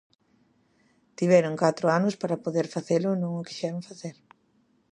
Tiveron catro anos para poder facelo e non o quixeron facer.